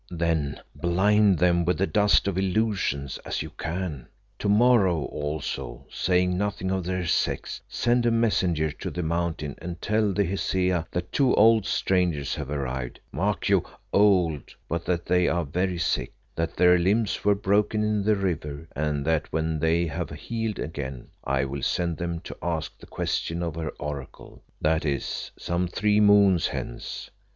"Then blind them with the dust of illusions as you can. To morrow, also, saying nothing of their sex, send a messenger to the Mountain and tell the Hesea that two old strangers have arrived mark you, old but that they are very sick, that their limbs were broken in the river, and that when they have healed again, I will send them to ask the question of her Oracle that is, some three moons hence.